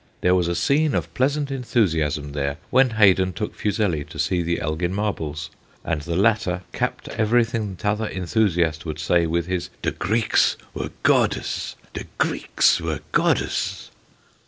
There was a scene of pleasant en thusiasm there when Haydon took Fuseli to see the Elgin Marbles, and the latter capped everything t'other enthusiast would say, with his * De Greeks were Godes ! de Greeks were Godes !